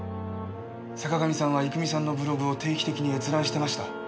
坂上さんは郁美さんのブログを定期的に閲覧してました。